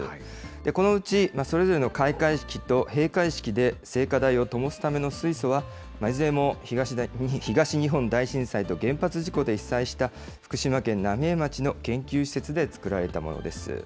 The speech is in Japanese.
このうちそれぞれの開会式と閉会式で聖火台をともすための水素は、いずれも東日本大震災と原発事故で被災した福島県浪江町の研究施設で作られたものです。